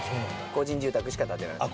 個人住宅しか建てられない。